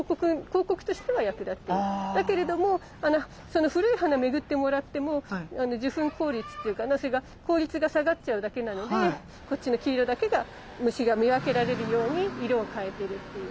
だからだけれどもその古い花巡ってもらっても受粉効率っていうかなそれが効率が下がっちゃうだけなのでこっちの黄色だけが虫が見分けられるように色を変えてるっていう。